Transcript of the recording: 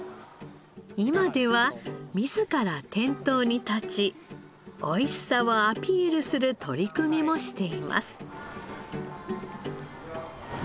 今では自ら店頭に立ちおいしさをアピールする取り組みもしています。